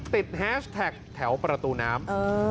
แฮชแท็กแถวประตูน้ำ